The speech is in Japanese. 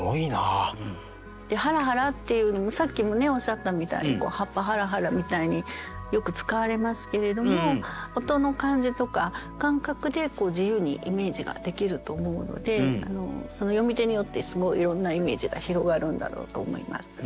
「はらはら」っていうのもさっきもおっしゃったみたいに「葉っぱはらはら」みたいによく使われますけれども音の感じとか感覚で自由にイメージができると思うのでその読み手によってすごいいろんなイメージが広がるんだろうと思います。